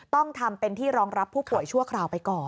ต้องทำเป็นที่รองรับผู้ป่วยชั่วคราวไปก่อน